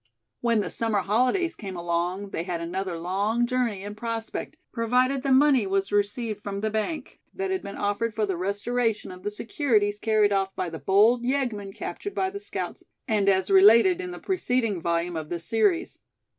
When the summer holidays came along, they had another long journey in prospect, provided the money was received from the bank, that had been offered for the restoration of the securities carried off by the bold yeggmen captured by the scouts, and as related in the preceding volume of this series.